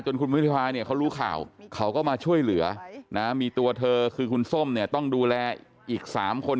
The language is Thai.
จนคุณพิมพลิพายเขารู้ข่าวเขาก็มาช่วยเหลือมีตัวเธอคือคุณส้มต้องดูแลอีก๓คน